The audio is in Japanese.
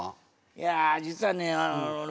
いや実はねおれ